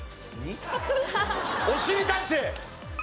『おしりたんてい』！